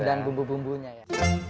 dan bumbu bumbunya ya